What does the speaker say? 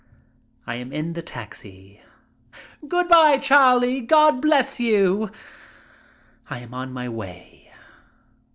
I am in the taxi. "Good by, Charlie! God bless you!" I am on my way.